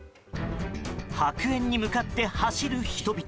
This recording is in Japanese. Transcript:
白煙に向かって走る人々。